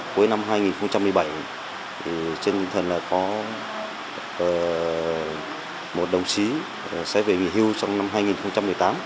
cuối năm hai nghìn một mươi bảy trên tinh thần là có một đồng chí sẽ về nghỉ hưu trong năm hai nghìn một mươi tám